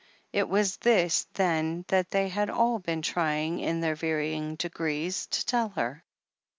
It was* this, then, that they had all been trying, in their varying degrees, to tell her.